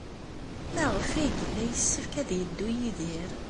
Maɣef ay yella yessefk ad yeddu Yidir?